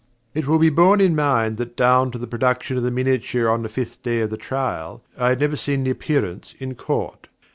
It will be borne in mind that down to the production of the miniature on the fifth day of the trial, I had never seen the Appearance in Court.